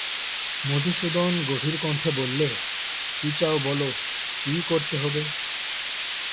মধুসূদন গভীরকণ্ঠে বললে, কী চাও বলো, কী করতে হবে?